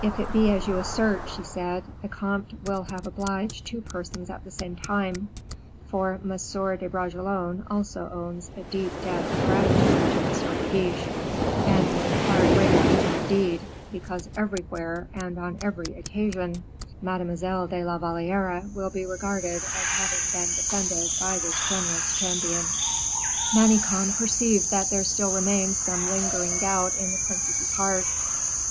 "If it be as you assert," she said, "the comte will have obliged two persons at the same time; for Monsieur de Bragelonne also owes a deep debt of gratitude to M. de Guiche and with far greater reason, indeed, because everywhere, and on every occasion, Mademoiselle de la Valliere will be regarded as having been defended by this generous champion." Manicamp perceived that there still remained some lingering doubt in the princess's heart.